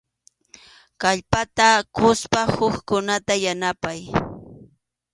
Kallpata quspa hukkunata yanapay.